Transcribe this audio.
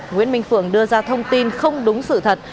nguyễn minh phượng đưa ra thông tin không đúng sự thật